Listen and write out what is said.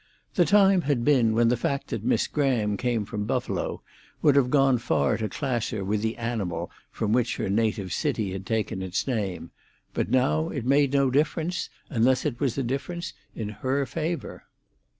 The time had been when the fact that Miss Graham came from Buffalo would have gone far to class her with the animal from which her native city had taken its name; but now it made no difference, unless it was a difference in her favour.